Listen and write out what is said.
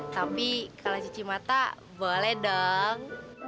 tapi kalau cicimata boleh dong